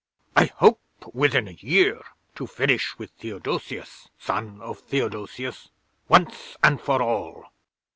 I hope within a year to finish with Theodosius, son of Theodosius, once and for all.